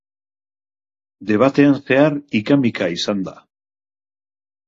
Debatean zehar ika-mika izan da.